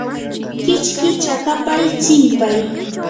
kichki chakapa tsinpay.